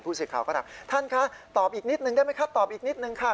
สื่อข่าวก็ถามท่านคะตอบอีกนิดนึงได้ไหมคะตอบอีกนิดนึงค่ะ